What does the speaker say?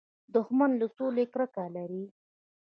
دښمن له سولې کرکه لري